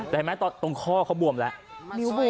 แต่เห็นไหมตรงข้อเขาบวมแล้ว